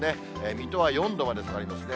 水戸は４度まで下がりますね。